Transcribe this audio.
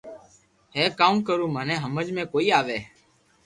ھي ڪاوُ ڪرو مني ھمج ۾ ڪوئي آوي